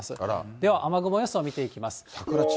では雨雲予想見てみます。